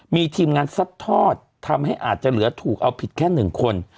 มีทีมงานซัดทอดทำให้อาจจะเหลือถูกเอาผิดแค่๑คน